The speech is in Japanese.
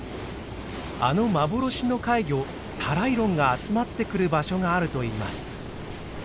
あの幻の怪魚タライロンが集まってくる場所があるといいます。